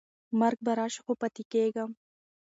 مرګ به راشي خو پاتې کېږم.